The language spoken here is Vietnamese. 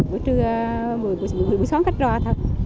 bữa trưa buổi sáng khách ra thôi